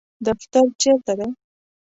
دفتر چیرته دی؟